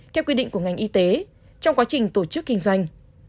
theo quy định của ngành y tế trong quá trình tổ chức kinh doanh